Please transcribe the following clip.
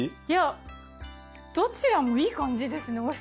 いやどちらもいい感じですね